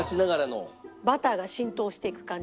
バターが浸透していく感じ。